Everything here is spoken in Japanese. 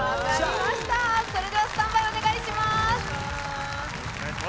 それではスタンバイお願いします。